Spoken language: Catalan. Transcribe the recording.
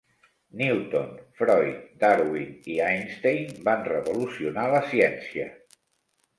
Newton, Freud, Darwin i Einstein van revolucionar la ciència.